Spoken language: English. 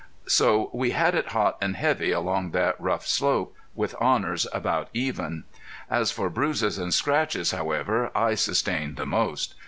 So we had it hot and heavy along that rough slope, with honors about even. As for bruises and scratches, however, I sustained the most.